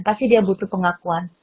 pasti dia butuh pengakuan